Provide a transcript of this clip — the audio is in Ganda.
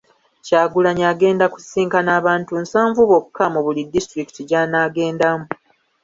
Kyagulanyi agenda kusisinkana abantu nsanvu bokka mu buli disitulikiti gy'anaagendamu.